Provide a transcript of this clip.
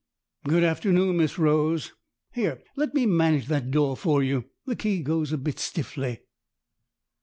" Good afternoon, Miss Rose. Let me manage that door for you the key goes a bit stiffly."